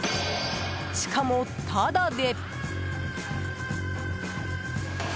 しかも、タダで。